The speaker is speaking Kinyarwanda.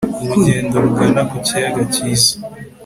urugendo rugana ku kiyaga cyiza